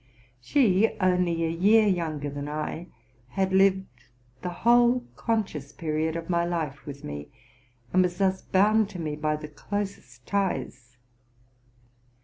She, only a year younger than I, had lived the whole conscious period of my life with me, and was thus bound to me by the closest ties.